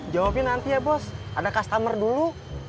jawabin nanti ya bos ada customer dulu